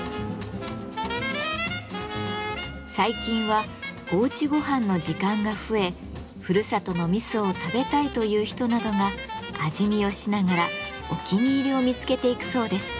最近は「おうちごはん」の時間が増えふるさとの味噌を食べたいという人などが味見をしながらお気に入りを見つけていくそうです。